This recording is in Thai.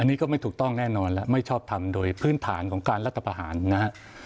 อันนี้ก็ไม่ถูกต้องแน่นอนแล้วไม่ชอบทำโดยพื้นฐานของการรัฐประหารนะฮะ